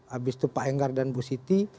habis itu pak enggar dan bu siti